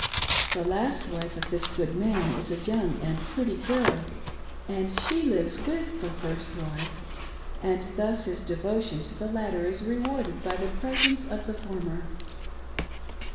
The last wife of this good man is a young and pretty girl, and she lives with the first wife, and thus his devotion to the latter is rewarded by the presence of the former.